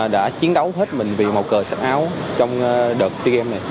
đã chiến đấu hết mình vì một cờ sắc áo trong đợt sea games này